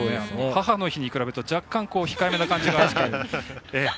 母の日に比べると、若干控えめな感じがありますけどね。